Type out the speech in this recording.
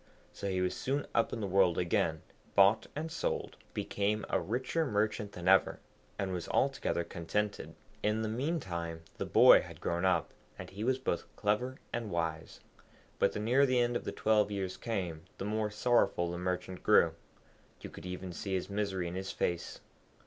So he was soon up in the world again, bought and sold, became a richer merchant than ever, and was altogether contented. In the meantime the boy had grown up, and he was both clever and wise. But the nearer the end of the twelve years came, the more sorrowful the Merchant grew; you could even see his misery in his face.